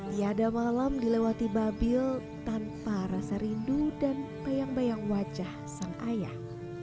tiada malam dilewati babil tanpa rasa rindu dan bayang bayang wajah sang ayah